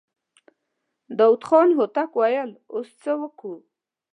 داوود خان هوتک وويل: اوس څه وکو؟